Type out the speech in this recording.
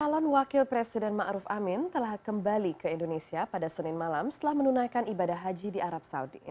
salon wakil presiden ma'ruf amin telah kembali ke indonesia pada senin malam setelah menunaikan ibadah haji di arab saudi